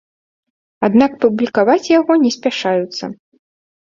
Аднак публікаваць яго не спяшаюцца.